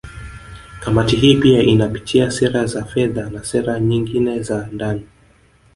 Kamati hii pia inapitia sera za fedha na sera nyingine za ndani